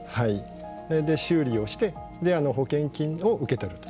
修理をして保険金を受け取ると。